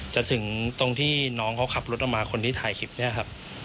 ถึงตรงที่น้องเขาขับรถออกมาคนที่ถ่ายคลิปนี้ครับ